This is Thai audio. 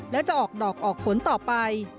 และจะออกดอกออกผลต่อไป